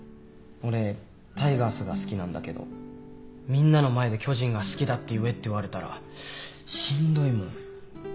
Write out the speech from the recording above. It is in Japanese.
俺タイガースが好きなんだけどみんなの前で巨人が好きだって言えって言われたらしんどいもん。